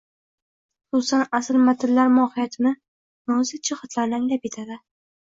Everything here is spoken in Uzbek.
Xususan, asl matnlar mohiyatini, nozik jihatlarini anglab yetadi.